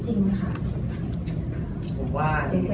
ใจเหอะตัดลูก